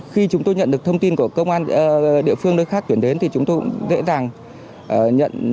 khi chúng tôi nhận được thông tin của công an địa phương nơi khác chuyển đến thì chúng tôi cũng dễ dàng nhận